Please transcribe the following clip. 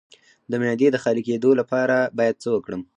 د معدې د خالي کیدو لپاره باید څه وکړم؟